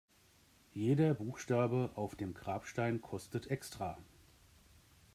Jeder Buchstabe auf dem Grabstein kostet extra.